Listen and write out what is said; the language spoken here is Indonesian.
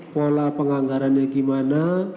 pola penganggarannya bagaimana